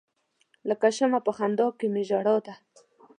لکه شمع په خندا کې می ژړا ده.